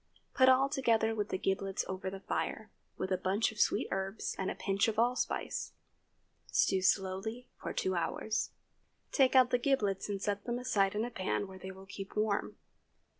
Put all together with the giblets over the fire, with a bunch of sweet herbs and a pinch of allspice. Stew slowly for two hours. Take out the giblets and set them aside in a pan where they will keep warm.